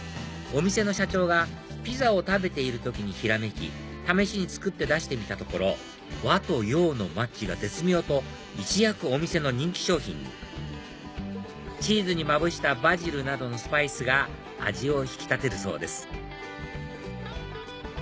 お店の社長がピザを食べている時にひらめき試しに作って出してみたところ和と洋のマッチが絶妙と一躍お店の人気商品にチーズにまぶしたバジルなどのスパイスが味を引き立てるそうです